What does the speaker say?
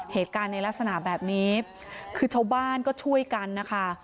เหตุการณ์ในลักษณะแบบนี้คือชาวบ้านก็ช่วยกันนะคะ